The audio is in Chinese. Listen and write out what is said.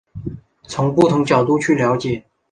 从不同角度去了解